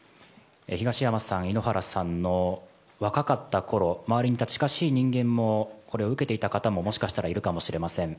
東山さん、井ノ原さんの若かったころ周りにいた近しい人間もこれを受けていた方ももしかしたらいるかもしれません。